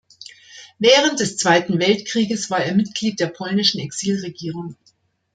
Während des Zweiten Weltkrieges war er Mitglied der polnischen Exilregierung.